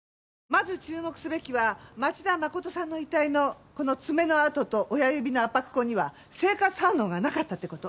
まず注目すべきは町田誠さんの遺体のこの爪の痕と親指の圧迫痕には生活反応がなかったって事。